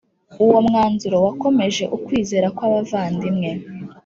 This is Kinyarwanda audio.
Uwo mwanzuro wakomeje ukwizera kw abavandimwe